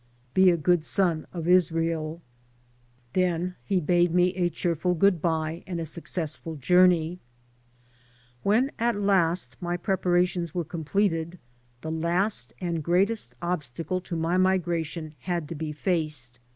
Be a good son of Israel." Then 6% FAREWELL FOREVER he bade me a cheerful good by and a successful jour ney. When at last my preparations were completed the last and greatest obstacle to my migration had to be faced.